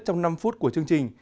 trong năm phút của chương trình